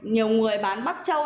nhiều người bán bắp châu